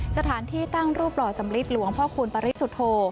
สถานที่ตั้งรูปหล่อสำลิดหลวงพ่อคูณปริสุทธโธ